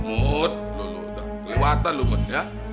mut lo udah kelewatan lo mut ya